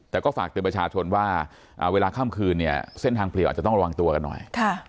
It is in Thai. แต่ก็ฝากเตือนประชาชนว่าเวลาค่ำคืนเนี่ยเส้นทางเปลี่ยวอาจจะต้องระวังตัวกันหน่อย